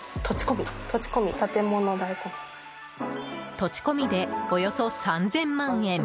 土地込みでおよそ３０００万円。